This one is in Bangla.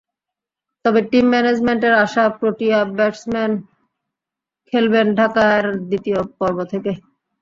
তবে টিম ম্যানেজমেন্টের আশা, প্রোটিয়া ব্যাটসম্যান খেলবেন ঢাকার দ্বিতীয় পর্ব থেকে।